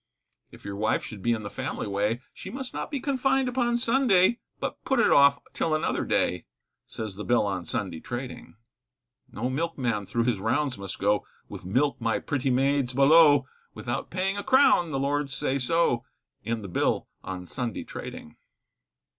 If your wife should be in the family way, She must not be confined upon Sunday, But put it off till another day, Says the Bill on Sunday trading. No milkman through his rounds must go, With milk, my pretty maids, below! Without paying a crown, the Lords say so, In the Bill on Sunday trading.